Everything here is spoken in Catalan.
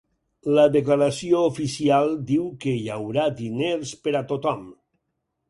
La declaració oficial diu que hi haurà diners per a tothom.